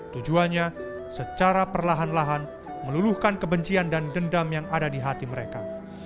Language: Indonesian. tujuannya secara perlahan lahan meluluhkan kebencian dan dendam yang ada di hati mereka